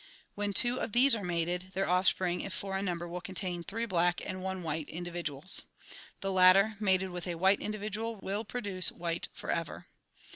When two of these are mated, their offspring, if four in number, will contain three black and one white individuals. The latter, mated with a white individual, will produce white forever.